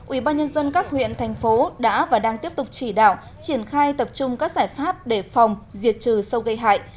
ubnd các huyện thành phố đã và đang tiếp tục chỉ đạo triển khai tập trung các giải pháp để phòng diệt trừ sâu gây hại